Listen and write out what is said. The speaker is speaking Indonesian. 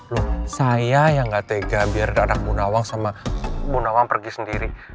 loh saya yang gak tega biar anak bu nawang sama bu nawang pergi sendiri